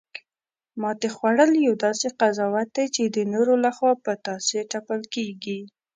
ماتې خوړل یو داسې قضاوت دی، چی د نورو لخوا په تاسې تپل کیږي